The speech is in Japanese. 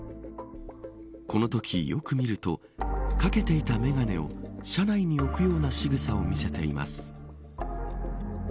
このとき、よく見ると掛けていた眼鏡を車内に置くようなしぐさを見せています。